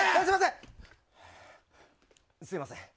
すみません！